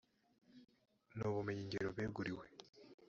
n ubumenyingiro beguriwe rp